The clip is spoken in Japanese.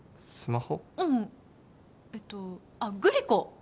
うんうんえっとあっグリコ